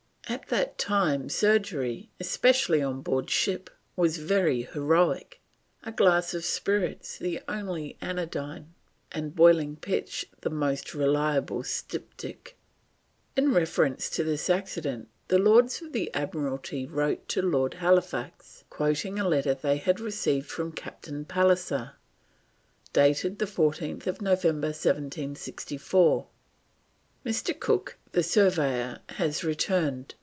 At that time surgery, especially on board ship, was very heroic; a glass of spirits the only anodyne, and boiling pitch the most reliable styptic. In reference to this accident the Lords of the Admiralty wrote to Lord Halifax, quoting a letter they had received from Captain Pallisser, dated 14th November 1764: "Mr. Cook, the surveyor, has returned.